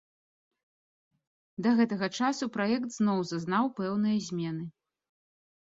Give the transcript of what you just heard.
Да гэтага часу праект зноў зазнаў пэўныя змены.